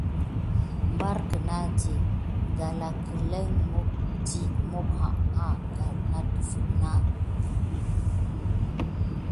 Mbar kənandi ? Ke gambit mokoni klele défete diya ne ras.